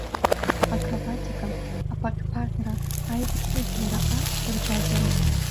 Акробатика, аԥаҟьԥаҟьра, аидҵыгьлара, ац хырџьаџьара.